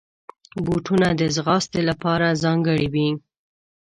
بوټونه د ځغاستې لپاره ځانګړي وي.